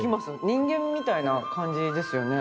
人間みたいな感じですよね。